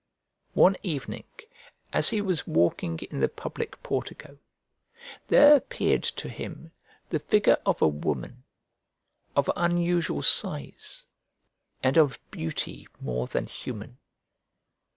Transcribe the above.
One evening, as he was walking in the public portico, there appeared to him the figure of a woman, of unusual size and of beauty more than human.